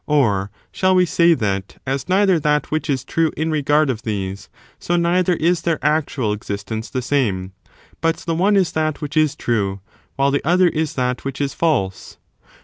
Or, shall we say that, as neither that which is true in regard of these, so neither is their actual existence the same; but the one is that which is true, while the other is \ that which is feilse?